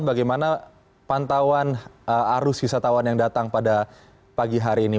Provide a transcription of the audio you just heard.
bagaimana pantauan arus wisatawan yang datang pada pagi hari ini